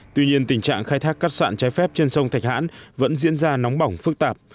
tuy nhiên tình trạng khai thác cát sạn trái phép trên sông thạch hãn vẫn diễn ra nóng bỏng phức tạp